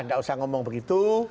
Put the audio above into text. tidak usah ngomong begitu